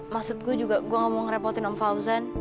maksud gue juga gue gak mau ngerepotin om fauzan